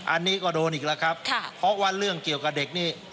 อันนี้ก็โดนอีกแล้วครับเพราะว่าเรื่องเกี่ยวกับเด็กนี่